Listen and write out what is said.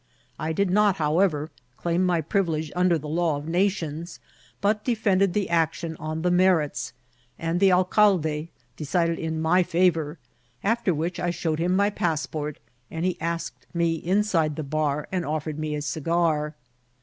I did not, however, claim my privilege under the law of nations, but de* fended the action on the merits, and the alcalde deci* ded in my favour ; after which I showed him my pass ' port, and he asked me inside the bar and offered me a eigar.